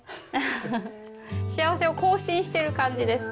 幸せを更新してる感じです。